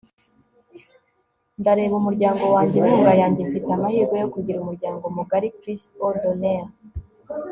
ndareba umuryango wanjye inkunga yanjye. mfite amahirwe yo kugira umuryango mugari. - chris o'donnell